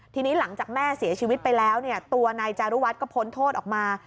ทีนี้หลังจากแม่เสียชีวิตไปแล้วเนี่ยตัวนายจารุวัฒน์ก็พ้นโทษออกมา